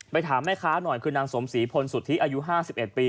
ถามแม่ค้าหน่อยคือนางสมศรีพลสุธิอายุ๕๑ปี